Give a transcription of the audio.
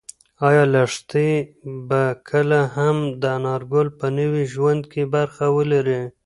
ایا لښتې به کله هم د انارګل په نوي ژوند کې برخه ولري؟